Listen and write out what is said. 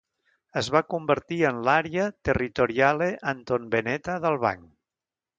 Es va convertir en l'"Area Territoriale Antonveneta" del banc.